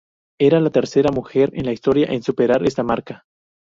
Era la tercera mujer en la historia en superar esta marca.